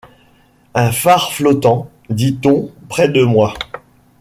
Un phare flottant », dit-on près de moi.